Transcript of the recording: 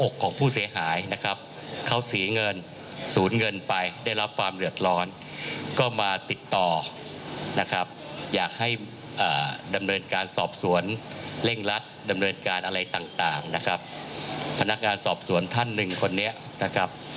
คณะกรรมการสอบสวนท่านหนึ่งคนนี้นะครับ